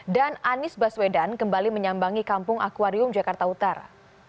dan anies baswedan kembali menyambangi kampung akwarium jakarta utara